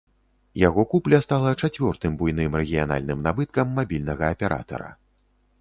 Яго купля стала чацвёртым буйным рэгіянальным набыткам мабільнага аператара.